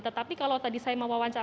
tetapi kalau tadi saya mau wawancar